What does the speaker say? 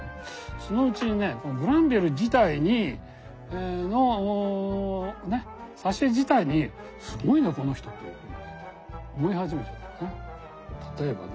そのうちにねこのグランヴィル自体のね挿絵自体にすごいなこの人って思い始めちゃったのね。